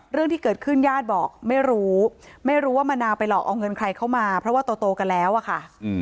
เรื่องที่เกิดขึ้นญาติบอกไม่รู้ไม่รู้ว่ามะนาวไปหลอกเอาเงินใครเข้ามาเพราะว่าโตกันแล้วอะค่ะ